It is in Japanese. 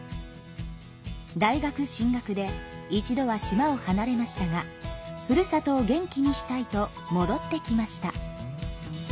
大学進学で一度は島を離れましたがふるさとを元気にしたいともどってきました。